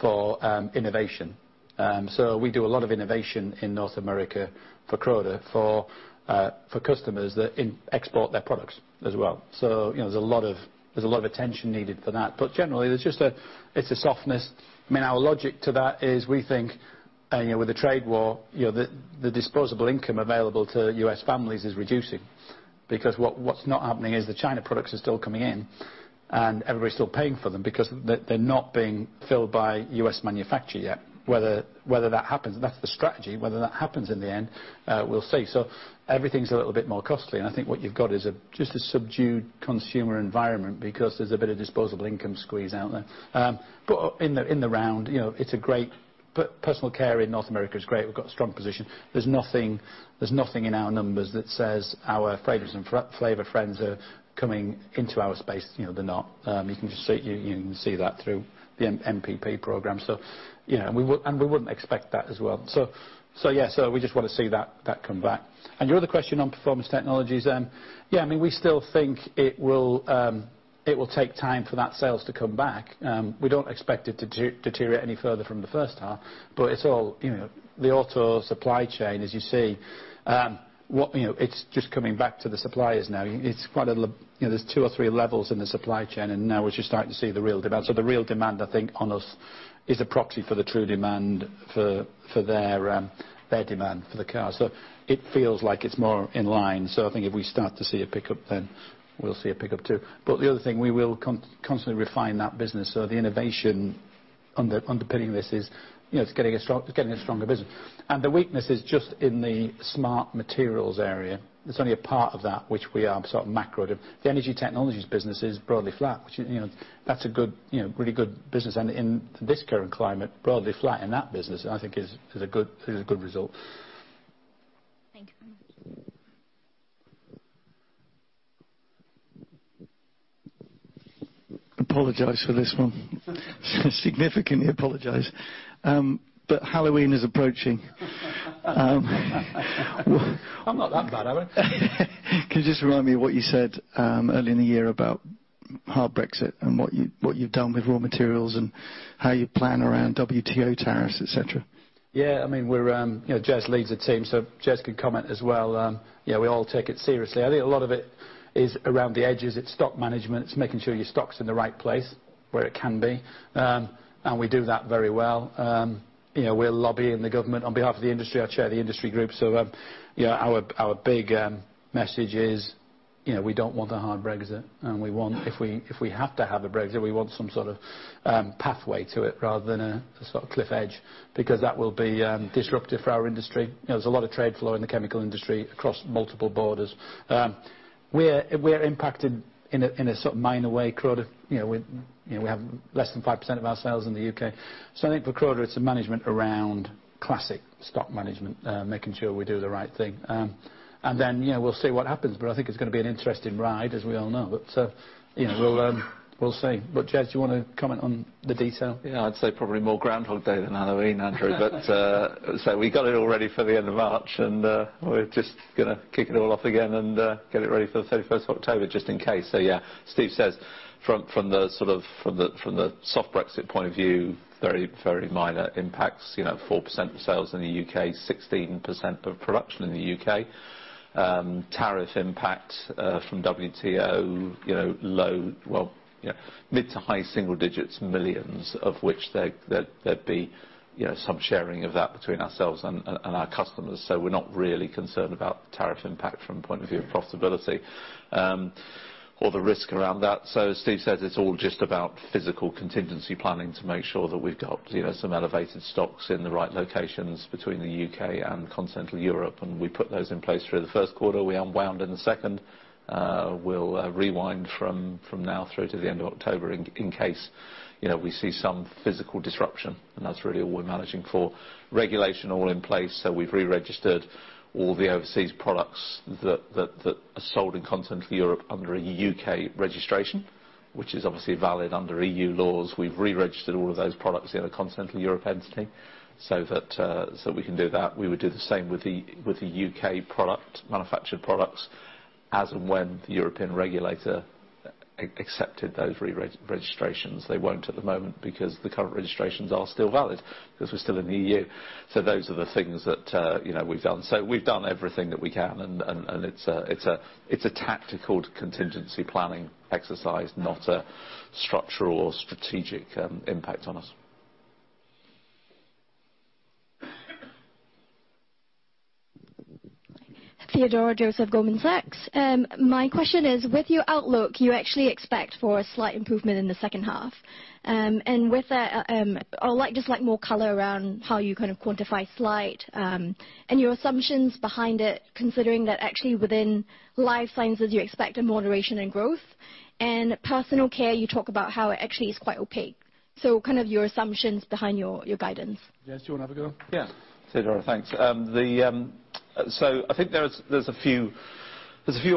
for innovation. We do a lot of innovation in North America for Croda for customers that in-export their products as well. You know, there's a lot of attention needed for that. Generally, there's just a softness. I mean, our logic to that is we think, you know, with the trade war, you know, the disposable income available to U.S. families is reducing because what's not happening is the China products are still coming in, and everybody's still paying for them because they're not being filled by U.S. manufacture yet. Whether that happens, that's the strategy. Whether that happens in the end, we'll see. Everything's 1 little bit more costly, and I think what you've got is just a subdued consumer environment because there's 1 bit of disposable income squeeze out there. In the round, you know, it's a great Personal Care in North America is great. We've got 1 strong position. There's nothing in our numbers that says our flavors and F&F are coming into our space. You know, they're not. You can see that through the NPP program. You know, and we wouldn't expect that as well. Yeah, we just want to see that come back. Your other question on Performance Technologies, yeah, I mean, we still think it will take time for that sales to come back. We don't expect it to deteriorate any further from the first half, it's all, you know, the auto supply chain, as you see, you know, it's just coming back to the suppliers now. You know, there's two or three levels in the supply chain, now as you're starting to see the real demand. The real demand, I think, on us is a proxy for the true demand for their demand for the cars. It feels like it is more in line. I think if we start to see a pickup, then we will see a pickup too. The other thing, we will constantly refine that business. The innovation underpinning this is, you know, it is getting a stronger business. The weakness is just in the Smart Materials area. There is only a part of that which we are sort of macro to. The Energy Technologies business is broadly flat, which, you know, that is a really good business. In this current climate, broadly flat in that business, I think is a good result. Thank you very much. Apologize for this one. Significantly apologize. Halloween is approaching. I'm not that bad, am I? Can you just remind me what you said earlier in the year about hard Brexit and what you've done with raw materials and how you plan around WTO tariffs, et cetera? Yeah, I mean, we're, you know, Jez leads the team, so Jez can comment as well. You know, we all take it seriously. I think a lot of it is around the edges. It's stock management. It's making sure your stock's in the right place, where it can be. We do that very well. You know, we're lobbying the government on behalf of the industry. I chair the industry group. You know, our big message is, you know, we don't want a hard Brexit, we want, if we, if we have to have a Brexit, we want some sort of pathway to it rather than a sort of cliff edge, because that will be disruptive for our industry. You know, there's a lot of trade flow in the chemical industry across multiple borders. We're impacted in a sort of minor way. Croda, you know, we have less than 5% of our sales in the U.K. I think for Croda, it's a management around Classic stock management, making sure we do the right thing. Then, you know, we'll see what happens, I think it's gonna be an interesting ride, as we all know. You know, we'll see. Jez, you wanna comment on the detail? Yeah, I'd say probably more Groundhog Day than Halloween, Andrew. We got it all ready for the end of March, and we're just gonna kick it all off again and get it ready for the October 31st just in case. Yeah, Steve says from the sort of, from the soft Brexit point of view, very, very minor impacts. You know, 4% of sales in the U.K., 16% of production in the U.K. Tariff impact from WTO, you know, low, well, you know, mid to high single digits, millions of GBP, of which there'd be, you know, some sharing of that between ourselves and our customers. We're not really concerned about the tariff impact from point of view of profitability or the risk around that. As Steve says, it's all just about physical contingency planning to make sure that we've got, you know, some elevated stocks in the right locations between the U.K. and Continental Europe. We put those in place through the first quarter, we unwound in the second. We'll rewind from now through to the end of October in case, you know, we see some physical disruption, and that's really all we're managing for. Regulation all in place, we've re-registered all the overseas products that are sold in Continental Europe under a U.K. registration, which is obviously valid under EU laws. We've re-registered all of those products in a Continental Europe entity so that we can do that. We would do the same with the U.K. product, manufactured products, as and when the European regulator accepted those re-registrations. They won't at the moment because the current registrations are still valid 'cause we're still in the EU. Those are the things that, you know, we've done. We've done everything that we can, and it's a tactical contingency planning exercise, not a structural or strategic impact on us. Theodora Joseph, Goldman Sachs. My question is, with your outlook, you actually expect for a slight improvement in the second half. With that, like more color around how you kind of quantify slight, and your assumptions behind it, considering that actually within Life Sciences you expect a moderation in growth. Personal Care, you talk about how it actually is quite opaque. Kind of your assumptions behind your guidance. Jez, do you wanna have a go? Theodora, thanks. I think there are a few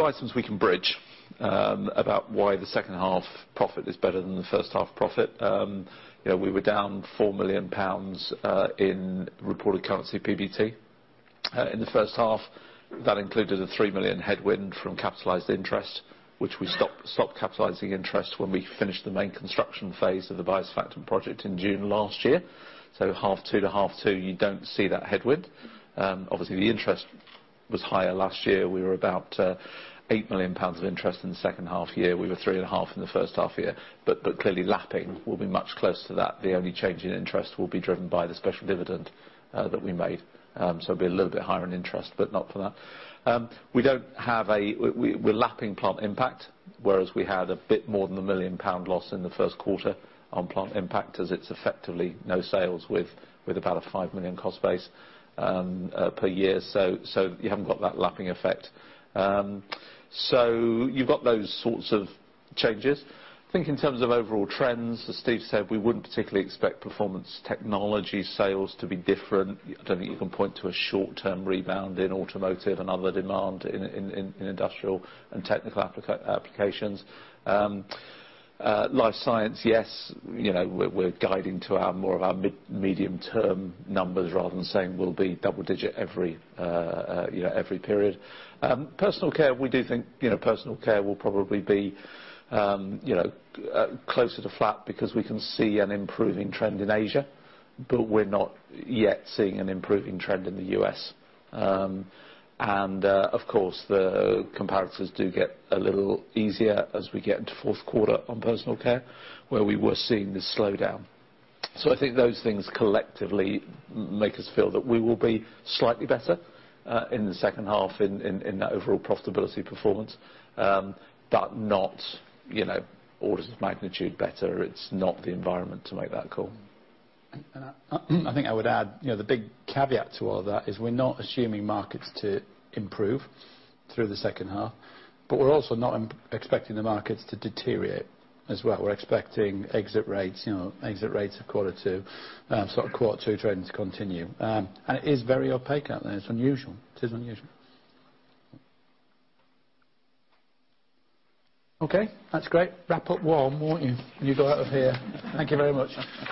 items we can bridge about why the second half profit is better than the first half profit. You know, we were down 4 million pounds in reported currency PBT. In the first half, that included a 3 million headwind from capitalized interest, which we stopped capitalizing interest when we finished the main construction phase of the biosurfactant project in June last year. Half two to half two, you don't see that headwind. Obviously, the interest was higher last year. We were about 8 million pounds of interest in the second half year. We were 3.5 million in the first half year. Clearly lapping will be much closer to that. The only change in interest will be driven by the special dividend that we made. It'll be a little bit higher in interest, but not for that. We don't have a We're lapping Plant Impact, whereas we had a bit more than a 1 million pound loss in the first quarter on Plant Impact, as it's effectively no sales with about a 5 million cost base per year. You haven't got that lapping effect. You've got those sorts of changes. Think in terms of overall trends, as Steve said, we wouldn't particularly expect Performance Technologies sales to be different. Don't think you can point to a short-term rebound in automotive and other demand in industrial and technical applications. Life Sciences, yes. You know, we're guiding to our mid- to medium-term numbers rather than saying we'll be double-digit every, you know, every period. Personal Care, we do think, you know, Personal Care will probably be, you know, closer to flat because we can see an improving trend in Asia, but we're not yet seeing an improving trend in the U.S. Of course, the comparators do get a little easier as we get into fourth quarter on Personal Care, where we were seeing this slowdown. I think those things collectively make us feel that we will be slightly better in the second half in that overall profitability performance, not, you know, orders of magnitude better. It's not the environment to make that call. I think I would add, you know, the big caveat to all of that is we're not assuming markets to improve through the second half, but we're also not expecting the markets to deteriorate as well. We're expecting exit rates, you know, exit rates of Q2, sort of Q2 trading to continue. It is very opaque out there. It's unusual. It is unusual. Okay, that's great. Wrap up warm, won't you, when you go out of here. Thank you very much.